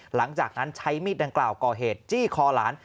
หลังจากนั้นใช้มีดดังกล่าวก่อเหตุจี้คอหลาน